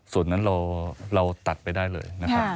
ส่วนนั้นเรารับถัดไปได้เลย